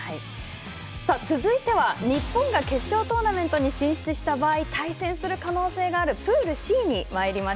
さあ続いては日本が決勝トーナメントに進出した場合対戦する可能性があるプールＣにまいりましょう。